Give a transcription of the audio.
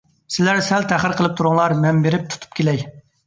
سىلەر سەل تەخىر قىلىپ تۇرۇڭلار، مەن بېرىپ تۇتۇپ كېلەي.